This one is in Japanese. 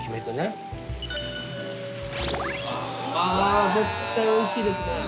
あ絶対おいしいですね！